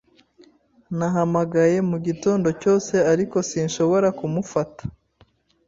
Nahamagaye mugitondo cyose, ariko sinshobora kumufata.